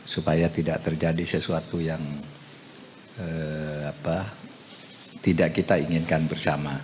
supaya tidak terjadi sesuatu yang tidak kita inginkan bersama